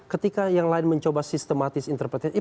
ketika yang lain mencoba sistematis interpretasi